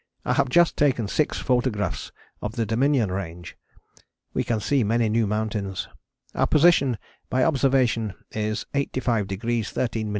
I have just taken six photographs of the Dominion Range. We can see many new mountains. Our position by observation is 85° 13´ 29" S.